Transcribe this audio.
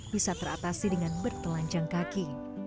bisa teratasi dengan bertelanjang kaki